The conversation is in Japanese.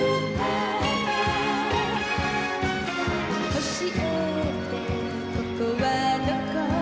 「おしえてここは何処？」